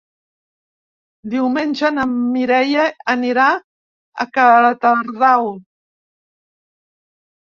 Diumenge na Mireia anirà a Catadau.